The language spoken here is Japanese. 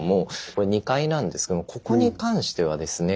これ２階なんですけどもここに関してはですね